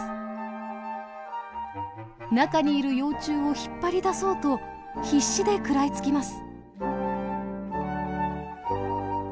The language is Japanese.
中にいる幼虫を引っ張り出そうと必死で食らいつきます。